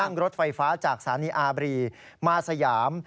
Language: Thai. รถไฟฟ้าจากสถานีอาบรีมาสยาม